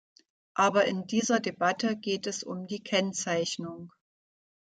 Aber in dieser Debatte geht es um die Kennzeichnung.